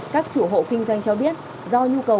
các chủ hộ kinh doanh cho biết do nhu cầu